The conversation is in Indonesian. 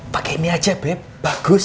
pakai ini aja bagus